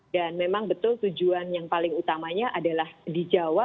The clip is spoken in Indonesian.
dan memang betul tujuan yang paling utamanya adalah di jawa